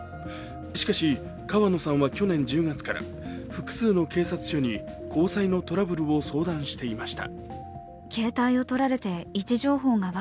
しかし川野さんは去年１０月から複数の警察署に交際のトラブルを相談していました。